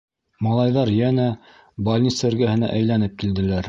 Малайҙар йәнә больница эргәһенә әйләнеп килделәр.